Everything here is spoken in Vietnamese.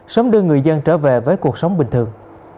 sớm đưa người dân trở về với cuộc sống bình thường